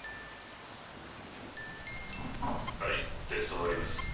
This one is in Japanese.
はいテスト終わります。